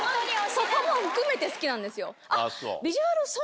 そこも含めて好きなんですよあっ。